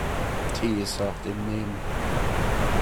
Die ist hart im Nehmen.